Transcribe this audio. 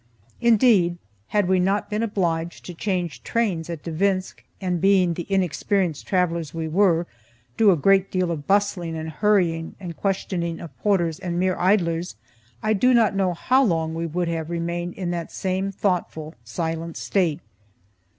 Indeed, had we not been obliged to change trains at Devinsk and, being the inexperienced travellers we were, do a great deal of bustling and hurrying and questioning of porters and mere idlers, I do not know how long we would have remained in that same thoughtful, silent state.